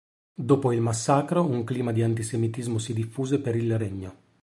Dopo il massacro un clima di antisemitismo si diffuse per il Regno.